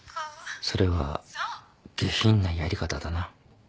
それは下品なやり方だな